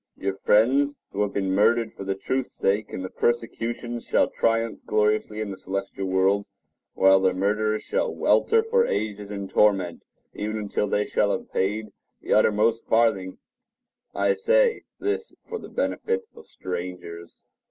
Your friends who have been murdered for the truth's sake in the persecutions shall triumph gloriously in the celestial world, while their murderers shall welter for ages in torment, even until they shall have paid the uttermost farthing. I say this for the benefit of strangers.